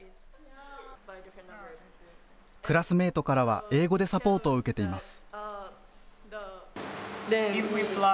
クラスメートからは、英語でサポートを受けています。